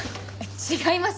違います。